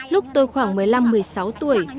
lúc tôi khoảng một mươi năm một mươi sáu tuổi